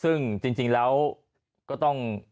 ซึ่งจริงแล้วก็ต้อง